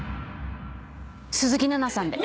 鈴木奈々さんで。